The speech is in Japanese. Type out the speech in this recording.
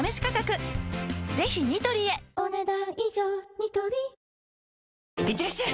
ニトリいってらっしゃい！